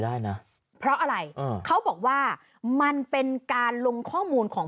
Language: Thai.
ได้นะเพราะอะไรเขาบอกว่ามันเป็นการลงข้อมูลของ